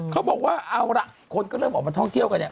เขาบอกว่าเอาล่ะคนก็เริ่มออกมาท่องเที่ยวกันเนี่ย